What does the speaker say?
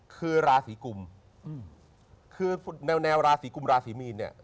คือราศีกุมแนวราศีกุมราศีมีน